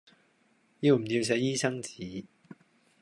要唔要寫醫生紙